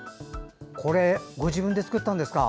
これ、ご自分で作ったんですか。